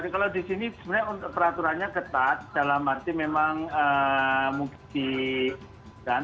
kalau di sini sebenarnya untuk peraturannya ketat dalam arti memang mungkin